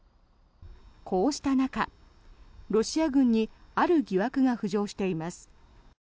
こうした中、ロシア軍にある疑惑が浮上しています。